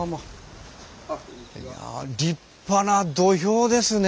立派な土俵ですね。